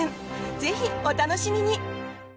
ぜひお楽しみに！